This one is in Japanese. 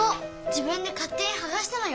自分でかってにはがしたのよ。